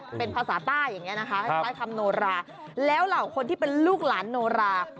เป็นภาษาใต้อย่างนี้นะคะคล้ายคำโนราแล้วเหล่าคนที่เป็นลูกหลานโนรา